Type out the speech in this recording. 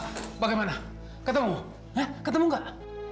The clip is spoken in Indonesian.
hei bagaimana ketemu hah ketemu gak